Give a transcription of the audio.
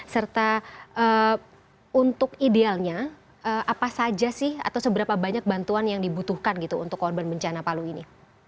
serta untuk idealnya apa saja sih atau seberapa banyak bantuan yang dibutuhkan gitu untuk korban bencana palu ini